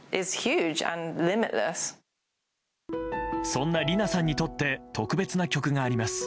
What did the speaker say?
そんなリナさんにとって特別な曲があります。